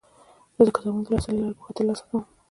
زه د کتابونو د لوستلو له لارې پوهه ترلاسه کوم.